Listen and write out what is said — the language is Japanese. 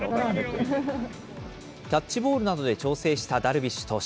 キャッチボールなどで調整したダルビッシュ投手。